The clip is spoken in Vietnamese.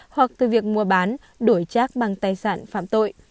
hoặc từ việc mua bán đổi trác bằng tài sản phạm tội